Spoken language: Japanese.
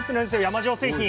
山塩製品。